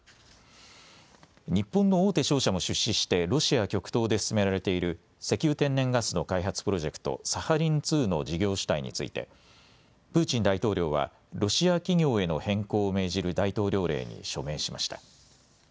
日本の大手商社も出資してロシア極東で進められている石油・天然ガスの開発プロジェクト、サハリン２の事業主体についてプーチン大統領はロシア企業への変更を命じる大統領令に署名しました。